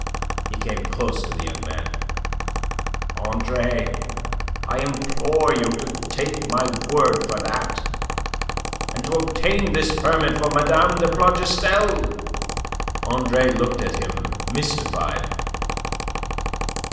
He came close to the young man. "Andre, I implore you to take my word for that, and to obtain this permit for Mme. de Plougastel." Andre looked at him mystified.